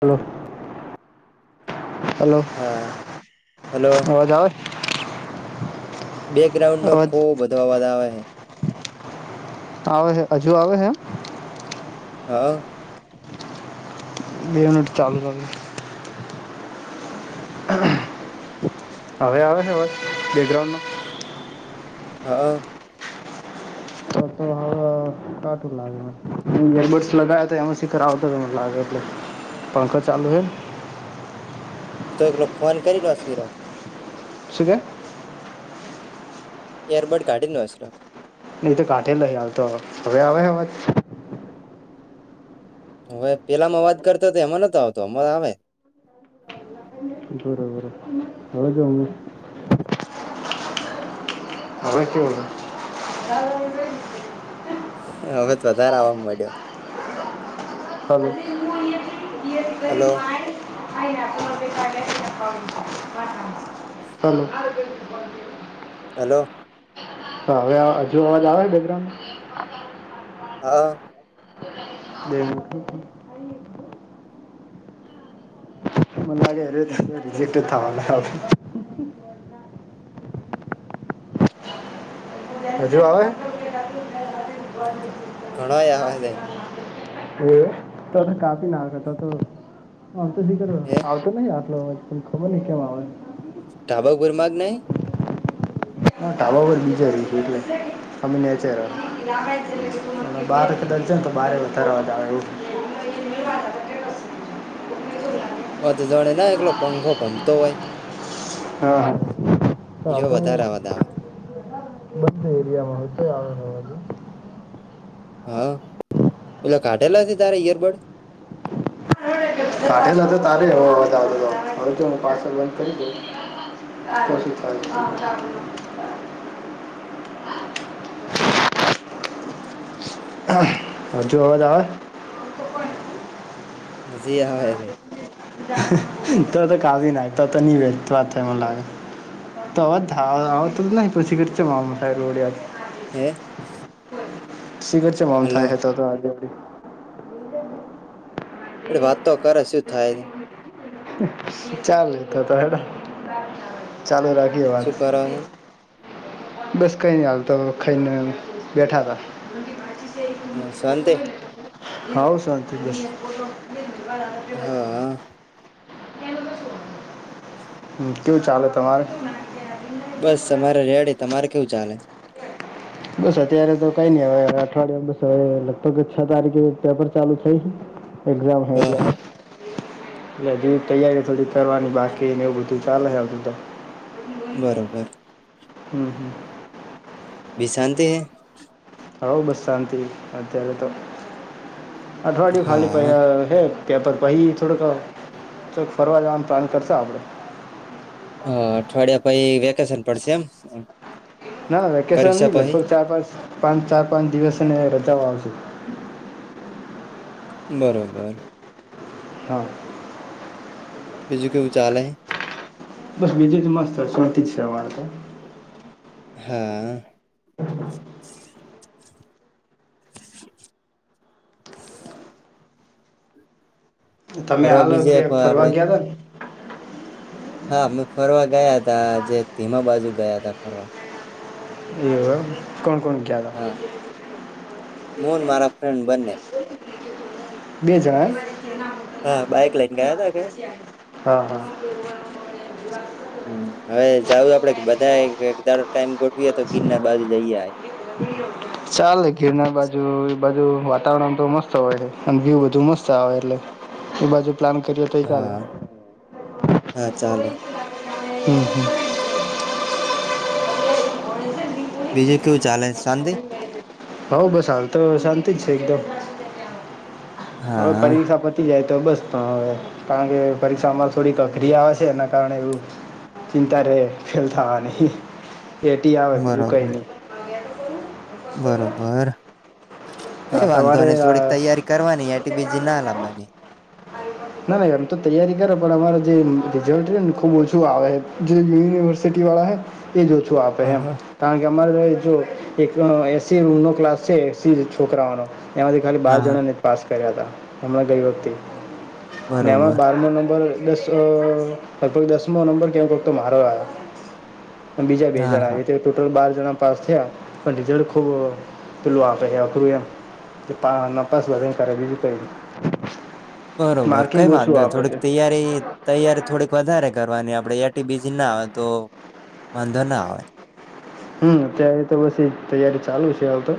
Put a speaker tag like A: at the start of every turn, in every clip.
A: હાલો.
B: હા હલો.
A: અવાજ આવે?
B: બેકગ્રાઉન્ડ નો
A: અવાજ
B: ખો વધવા આવે છે.
A: આવે છે હજુ આવે છે?
B: હા.
A: બે યુનિટ ચાલુ [inaudible] હવે આવે છે બેગ્રાઉન્ડમાં?
B: હા.
A: તો તો હવે કાટું લાગે યરબડસ લગાવયા તો એમાં શિખર આવતો મને લાગે એટલે. પંખા ચાલાલુ હો?
B: તો એકલો ફોન કરીનેસવીરો
A: શું કેવો?
B: એયરબોટ ગાડી ન વસરો.
A: નહી તો કાંઠે લઈ આવતો હવે આવે હવાજ?
B: હવે પેલા માં વાત કરતો હતો એમાં નતો આવતો અમારો આવે.
A: [unintelligible] [inaudible] હવે કેવું? [inaudible]
B: અવાજ વધારે આવવા મળ્યો.
A: હલો. હલો.
B: Hello hello.
A: તો હવે હજુ અવાજ આવે બેકગ્રાઉન્ડ?
B: હા.
A: દે. મ નાગડીઓ દાજો રિજેક્ટ થાયવાલા. હજુ આવે.
B: ઘણોય આવે છે
A: એ તો કાપી નાખાતા તો તોીક.
B: હે
A: નહી આટલો ખબર નહ કેમ આવે.
B: ટાબા ગર માગ નં.
A: ના ાબા પરર બીજા ર છેું એટલે અમે નેચર. અને બાર કદચ જ તો બારે વધારવા જ આવે એવ.
B: ઓ તો જાણે ના એકલો પંખો ભમતો હોય.
A: હા હા હ
B: જો
A: તોું.
B: વધારે અવાજ આવે
A: બને એરિયામાં હોય તો આવેવાજ.
B: હા ઓલા કાઢેલા નથી તારેા ઈયરબડ.
A: કાઠેલા તો તારે હ હ પા બંધ કરી દઉ. [inaudible] હજુ અવાજ આવે.
B: હજી છે.
A: તો તો કાવી ના તો તો નની ભે વાત મ. તોવાજ ધા આવ તો જ નહી પછી કર છે મામ સાહેબ રોડ.
B: હ.
A: શીગર છેમ
B: હલો
A: થાય હતો તો આજે.
B: એટ વા તો ખરે શું થાય.
A: ચલે તો તો હે ચાલો રાખીએ વાત.
B: શું કરો છો
A: બસ કઈ નઈ હાલ તો ખાઈને બેઠા તા. મી ભછી છે.
B: હ શંતે.
A: હવ શાંત બસ.
B: હા
A: હ કેવું ચાલે તમારે.
B: બસ તમારે રેડીે તમારે કેવું ચાલે.
A: બસ અત્યારે તો કઈ નઈ હવેવે અઠવાડિયા બસ હવે લગભગ છ તારીખે પેપર ચાલુ થઈ. એક્ઝામ
B: હા
A: હલે
B: હા
A: એટલે હજુ તૈયારી થોડી કરવાની બાકીને એવું બધું ચાલે છે આવધા.
B: બરોબર.
A: હમ હમ.
B: ભશાતે હૈ.
A: હઉ બસ શાંતિ અત્યારે તો અઠવાડિય ખાલી પ
B: હા
A: હે. તે્યા પર પછી થોડોક ચોક ફરવા જવાનું પ્લાન કરશ આપણે.
B: હ અઠવાડિયા પી વેકેશન પડશે એમ.
A: ના વેકેશન
B: પરીક્ષા
A: નહી
B: પછી
A: લગભગ ચાર પાંચ પાંચ ચાર પાંચ દિવસને રચાઓ આવશે.
B: બરોબર.
A: હા.
B: બીજ કેવું ચાલે.
A: બસ બીજુંજ મસ્ત હશેથી જ છેવાળ તો.
B: હા.
A: તમે
B: ફરવા
A: હાલો
B: બીજે
A: કે ફરવા
B: આપડે
A: ગયા હતા ને.
B: હા મેમે ફરવા ગયા હતા જે ધીમા બાજુ ગયા હતા ફરવા.
A: એવ કોણ કોણ કયા હતા.
B: મન મારા ફ્રેન્ડ બંને.
A: બેજણ.
B: હા બાઇક લઈન ગયા તા કે.
A: હા હા મળ
B: હમ હવે જઉું આપડે બધા એક દાડો ટાઈમ ગોઠવીએ તો ગીર ના બાજુ જઈએ
A: ચાલે ઘીરણ બાજુ એ બાજુ વાતાવરણ તો મસ્ત હોય છે. અને ભ્યુ બધું મસ્ત આવે એટલે એ બાજુ પ્લાન કરી
B: હા હા ચાલે
A: હમ્મ હમ
B: બીજું કેવું ચાલેન્ છે. શાંદિ
A: હઉ બસ હાલ તો શાંતિ જ છે. એકદમ હવે
B: હા
A: પરીક્ષા તી જાય તો બસ પણ હવે કારણ કે પરીક્ષામાં થોડીક અક્રિયા હ છે. એના કારણે એવું ચિંતા રે ફેલ થવા નહ એટી આવે બીજું કઈ
B: બરોબર
A: નઈ આગ્યાું
B: બરોબર
A: હા
B: કઈ વાંધો
A: તમારે અ,
B: થોડીક તૈયારી કરવાની આ બીજી ના લવાની
A: ના ના એમ તો તૈયારી કરે પણ અમારે જે રિઝલ્ટ ને ખુબ ઓછું આવે યુનિવર્ સિટી વાળા હૈ એ જ ઓછું આપે
B: હા
A: એમ
B: હા
A: કારણ કે અમારે જો એક એસી રૂમનોો ક્લાસ છે. એસી છોકરાઓનો એમાંથી ખાલી બાર
B: હા હા
A: જણાને પાસ કર્યા હતા હમણાં ગઈ વ્યક્તિ નેવા
B: બરોબર
A: બારમો નંબર દસ લગભગ દસમો નંબર ક વક્તો મારો આવ્યો બીજા બે
B: હા
A: હજાર,
B: હા
A: આવે તો ટોટલ બાર જણા પાસ થયા પણ રિઝલ્ટ ખૂબ પેલું આપ્યા થ્રુ એમ જે પા ન પસવાદ કારરેવીજ કરી
B: બરોબર કઈ વાંધો થોડક તૈયારી તૈયારી થોડીક વધારે કરવાની આપડે એટી બીજી ના આવે તો વાંધો ના આવે
A: હમ અત્યારે તો બછી એ તૈયારી ચાલુ છે. આવતો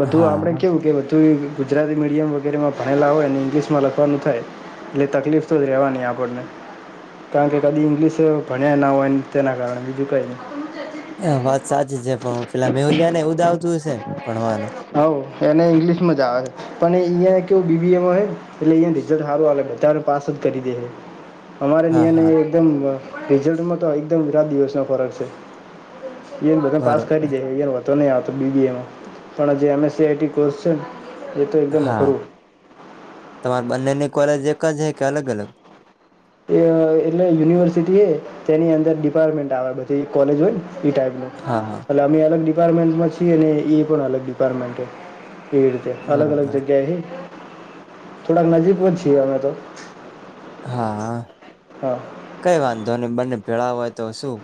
A: બધું આપડ
B: હા
A: કેવું કે બધું ગુજરાતી મીડિયમ વગેરેમાં ભણેલા હોય અને ઇંગ્લિશમાં લખવાનું થાય એટલે તકલીફ, તો જ રહેવાનીહી આપણને કારણ કે કદી ઈંગ્લિશ ભણ્યા ના હોય, તેના કારણે બીજું કઈ નહી.
B: હા વાત સાચી છે. પણ હ પેલા મેહુલિયા ને એ ઉુંદ આવતું હશે ભણવાનું
A: હ એને ઇંગ્લિશ માં જ આવે છે. પણ અંયા કેવ બીબીમ એટલે રઝલ્ટ સારું પાસ જ કરી દે અમારે
B: હા
A: નિને
B: હા
A: એકમ રિઝલ્ટમાં તો એકદમ રાત દિવસનો ફરક છે. એ બધ પાસ કરી
B: બરોબર
A: જાય એ નહી, આવતો બી એમાં પણણા જે એમએસ સીઆઈટી કોર્સ છેને
B: હા તમાર બંનેની કોલેજ એક જ છે. કે અલગ અલગ
A: એટલે યુનિવર્સિટી એ તેની અંદર ડિપાર્ટમેન્ટ આવે બધી કોલેજ હોય ને એ ટાઈપનું
B: હા હા
A: એટલે અમે અલગ ડિપાર્ટમેન્ટમાં છીએ. અને એ પણ અલગ ડિપાર્ટમેન્ટ પીડતે અલગ અલગ
B: બરોબર
A: જગ્યા હ થોડાક નજીક જ છીએ. અમે તો
B: હા
A: હા
B: કઈ વાંધો બંને ભેળા હોય તો શું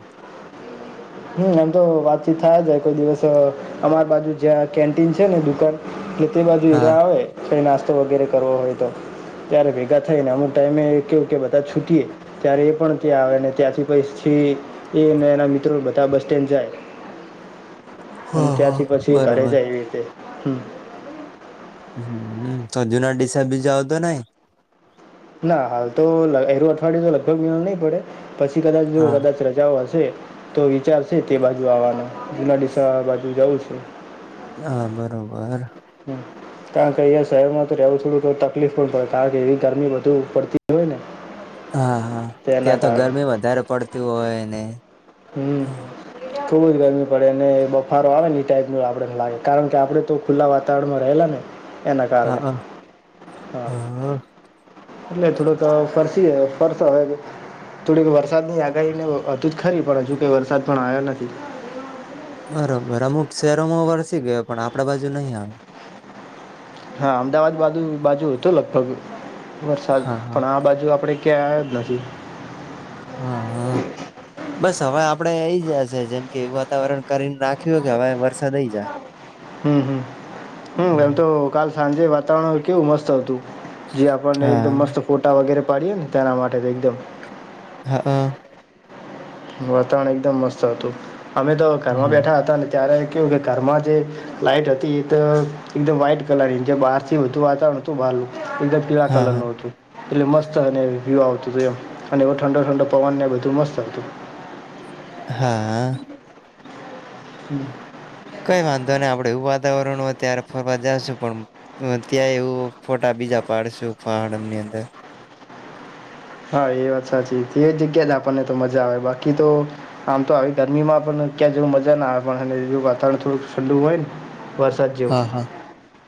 A: હમ એમ તો વાતચીત થાય જ કોઈ દિવસ અમાર બાજુ જ્યાં કેન્ટીન છેને. દુકાન એટલે તે બાજુ
B: હા
A: હઈરા આવે નાસ્તો વગેરે કરવો હોય, તો ત્યારે ભેગા થઈ ને અમુક ટાઈમે કેવું કે બધા છૂટીએ ત્યારે એ પણ ત્યાં આવેને ત્યાંથી પછથી એ એના મિત્રો બ બસ સ્ટેન્ડ જાય અને
B: હા હા
A: ત્યાંથી પછી ઘરે
B: બરોબર
A: જાય, એવી રીતે હમ
B: હ સજુના ડીસા બી જાઉ તો નાઈ
A: ના હાલ તો એરું અઠવાડય તો લગભગ નહીં પડે પછી કદાચ જો
B: હા
A: કદાચ રજાઓ હશે તો વિચાર છે તે બાજુ આવવાનો જુના ડીસાા બાજુ જવ છું.
B: હા બરોબર
A: હમ [inaudible] કારણ કે અહીંયા શહેરમાં તો રહેવું થોડું તકલીફ પણ પડે કારણ કે એવી ગરમી વધુ પડતી હોય ને?
B: હા હા
A: તેના
B: ત્યાં તો
A: કારણે
B: ગરમી વધારે પડતી હોય ને,
A: હમ ખુબ જ ગરમી પડે અને બફારો આવે ને એ ટાઈપ ન આપણેને લાગે કારણ કે આપડે તો ખુલ્લા વાતાવરણમાં રહેલા ને એના
B: હા
A: કારણે, હા એટલે થોડો તો ફરસી ફરસા હોય થોડીક વરસાદ ની આગાહીને હતું જ ખરી પણ હજુ કે વરસાદ પણ આવ્યો નથી.
B: બરોબર અમુક શહેરોમાં વરસી ગયો પણ આપડા બાજુ નહીં આવે,
A: હા અમદાવાદ બાજુ બાજુ હતું લગભગ વરસાદ
B: હા હા
A: પણ આ બાજુ આપડે ક એદના છે [inaudible]
B: હા હા બસ હવે આપડે આઈ જાયશે જેમ કે એવું વાતાવરણ કરીને રાખ્યું હો કે હવે વરસાદ આઈ જા
A: હમ હમ હમ એમ તો કાલ સાંજે વાતાવરણ કેવું મસ્ત હતું જે આપણને એકદમ
B: હા
A: મસ્ત ફોટા વગેરે પાડીએ ને તેના માટે તો એકદમ
B: હા હઅઅ
A: વાતાવરણ એકદમ મસ્ત હતું અમે તો ઘરમાં
B: હમ
A: બેઠા હતા ને ત્યારે કેું કે ઘરમાં જે લાઈટ હતી એ તો એકદમ વ્હાઈટ કલર જે બહાર થી વધુ વાતાવણ નતું બહારનુ એકદ પીળા કલર
B: હા
A: હતું એટલે મસ્ત અને વ્યુ આવતું હતું એમ અને એ ઠંડો ઠંડો પવન બધું મસ્ત હતું
B: હા
A: હમ
B: કઈ વાંધો નહી આપડે એવું વાતાવરણ હો ત્યારે ફરવા જશું, પણ હ ત્યાં એવું ફોટા બીજા પાડશું પાહડ ની અંદર,
A: હા એ વાત સાચી છે. એ જગ્યા જ આપણને તો મજા આવે બાકી તો આમ તો આવી ગરમીમાં પણ ક્યાં જેવ મજા ના આવે પણ વાતાવરણ થોડું ઠંડુ હોય ને વરસાદ જેવું
B: હા હા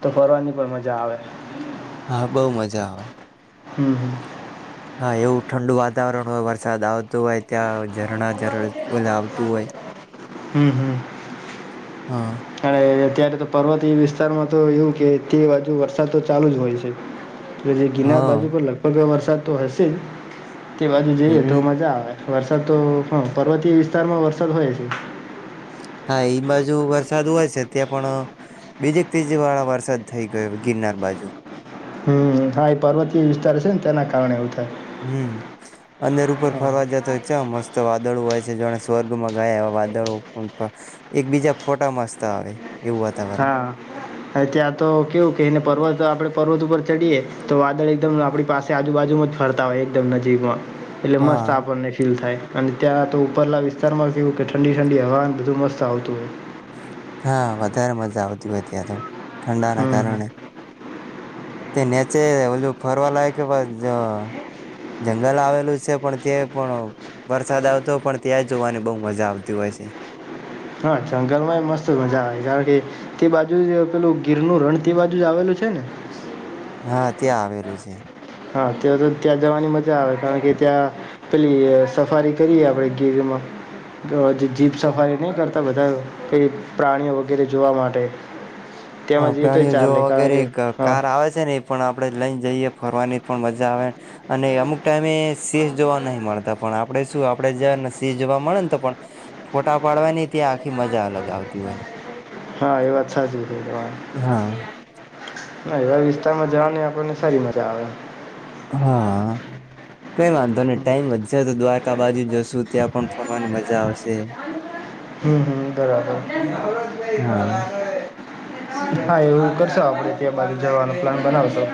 A: તો ફરવાની પણ મજા આવે.
B: હા બઉુ મજા આવે.
A: હમ હ
B: હા એવું ઠંડુ વાતાવરણ હોય વરસાદ આવતો હોય ત્યાં ઝરણા ઝરણ આવતું હોય,
A: હમ હમ
B: હા
A: અને અત્યારે તો પર્વતીય વિસ્તારમાં તો એવું કે તે બાજુ વરસાદ તો ચાલુ જ હોય છે. એ જે ગિનાર બાજુ
B: હા
A: પર લગભગ વરસાદ તો હશે જ તે બાજુ જે હ તો
B: હમ
A: મજા આવે. વરસાદ તો હ પર્વતીય વિસ્તાર માં વરસાદ હોય છે.
B: હા એ બાજુ વરસાદ હોય છે ત્યાં પણ બીજીે એક ત્રીજી વાળા વરસાદ થઈ ગયો ગિરનાર બાજુ.
A: હમ હા એ પર્વતીય વિસ્તાર છે ને તેના કારણે એવું થાય.
B: હમ અંદર ઉપર
A: હા
B: ફરવા જતા હોય ચ મસ્ત વાદળો હોય છે જાણે સ્વર્ગમાં ગયા એવા વાદળો એક બીજા ફોટા મસ્ત આવે એવું વાતાવરણ
A: હા ત્યાં તો કેવું કેને પર્વત આપડે પર્વત ઉપર ચડીએ તો વાદળ એકદમ આપણી પાસે આજુબાજુમાં જ ફરતા હોય એકદમ નજીકમાં એટલે
B: હા.
A: મસ્ત આપણને ફીલ થાય. અને ત્યાં તો ઉપરલા વિસ્તારમાં કેવું કે ઠંડી ઠંડી હવામાન બધું મસ્ત આવતું હોય.
B: હા વધારે મજા આવતી હોય ત્યાં તો ઠંડાના
A: હમ હમ.
B: કારણે તે નેચે ઓજું ફરવા લાગ કે જંગલ આવેલું છે પણ તે પણ વરસાદ આવતોય પણ ત્યાં જોવાની બહુ મજા આવતી હોય છે
A: હા જંગલમ મસ્ત મજા આવે કારણ કે તે બાજુ જ પેલું ગીરનુંું રણ તે બાજુ જ આવેલું છે ને
B: હા ત્યાં આવેલું છે
A: હા તે તો ત્યાં જવાની મજા આવે કારણ કે ત્યાં પેલી સફારી કરીએ આપણેે ગીરમાં જીપ સફારી નહી કરતા બધા પ્રાણીઓ વગેરે જોવા માટે
B: હા
A: તેમાં જઈએ તોય
B: પ્રાણીઓ
A: ચાલે
B: જોવા
A: કારણ
B: વગેરે
A: કે હા
B: કાર આવે છે ને પણ આપણે લઈને જઈએ ફરવાની પણ મજા આવે અને અમુક ટાઈમે શેહ જોવા નહી મળતા પણ આપણેે શું આપણેે જાય ને શેહ જોવા મળે ને તો પણ ફોટા પાડવાની ત્યાં આખી મજા અલગ આવતી હોય
A: હા એ વાત સાચી ર તમા
B: હા
A: ના એવા વિસ્તારમાં જવા આપણને સારી મજા આવે
B: હા કઈ વાંધો નને ટાઈમ વધશે તો દ્વારકા બાજુ જશુ ત્યાં પણ ફરવાની મજા આવશે
A: હમ હમ બરાબર
B: હા
A: હા એવું કરશો આપડે ત્યાં બાજુ જવાનો પ્લાન બનાવશો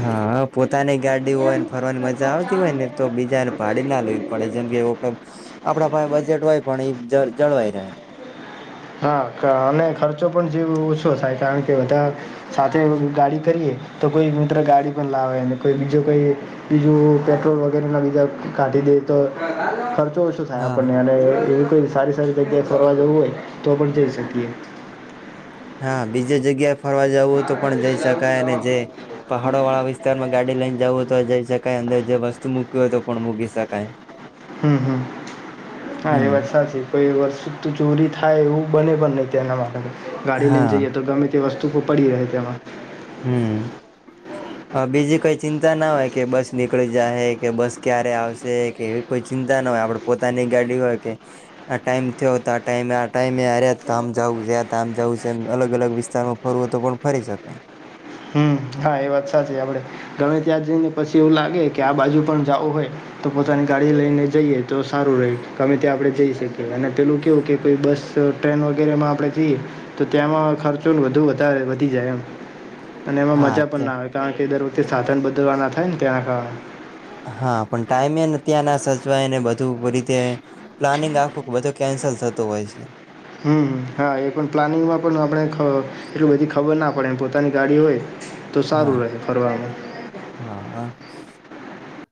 B: હા પોતાની ગાડી હોય ને ફરવાની મજા આવતી હોય ને તો બીજાને ભાડી ના લય પડે જેમ કે એવ આપડા પાસે બજેટ હોય પણ એ જ જળવાઈ રહે
A: હા અને ખર્ચો પણ જે ઓછો થાય કારણ કે બધા સાથે ગાડી કરીએ તો કોઈ મિત્ર ગાડી પણ લાવે કોઈ બીજો કોઈ બીજું પેટ્રોલ વગેરે ના બીધા કાઢી દે તો ખર્ચો શું થાય
B: હા
A: આપણને અને એવી કોઈ સારી સારી જગ્યાએ ફરવા જવું હોય તો પણ જઈ શકીએ
B: હા બીજ જગ્યાએ ફરવા જવુંય તો પણ જઈ શકાય અને જે પહાડો વાળા વિસ્તાર માં ગાડી લઈને જવું હોય તો જઈ શકાય અંદર જે વસ્તુ મૂકવી હોય તો પણ મૂકી શકાય
A: હમ હમ હા એ
B: હમ
A: વાત સાચી તોઈ વર્ષુ ચોરી થાય એવું બને પણ નહ એના માટે ગાડી લઈને
B: હા
A: જઈએ તો ગમે તે વસ્તુઓ પડી રહે તેમાં
B: હમ હ બીજી કોઈ ચિંતા ના હોય કે બસ નીકળી જશે કે બસ ક્યારે આવશે કે એવી કોઈ ચિંતા ના હોય આપડ પોતાની ગાડી હોય કે આ ટાઈમ થયો હતો આ ટમે આ ટાઈમે્યા તો આમ જ આમ જ અલગ અલગ વિસ્તારમાં ફરવું તો પણ ફરી શકાય
A: હમ હા એ વાત સાચી આપડે ગણ ત્યાદ જઈ ને પછી એવું લાગે કે આ બાજુ પણ જવું હોય તો પોતાની ગાડી લઈને જઈએ તો સારું ર ગમે તે આપણે જઈ શકીએ અને પેલું કેવું કે કોઈ બસ તો ટ્રેન વગેરેમાં આપણે જઈએ તો ત્યાંમાં ખર્ચો વધુ વધારે વધી જાય એમ અને એમાં
B: હા
A: મજા પણ ના
B: ત્યાં
A: આવે કારણ કે દર વખતે સાધન બદલવાના થાય ને ત્યાં ખાવાનું
B: હા પણ ટાઈમે એને ત્યાં ના સચવાયને બધું રીતે પ્લાનિંગ આખું કે બધો કેન્સલ થતો હોય છે
A: હમ હા એ પણ પ્લાનિંગમાં પણ આપણે એટલું બધી ખબર ના પડે એમ પોતાની ગાડી હોય તો
B: હા
A: સારું રહે ફરવાવામાં
B: હા હ